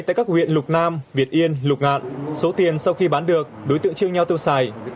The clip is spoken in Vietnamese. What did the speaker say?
tại các huyện lục nam việt yên lục ngạn số tiền sau khi bán được đối tượng chia nhau tiêu xài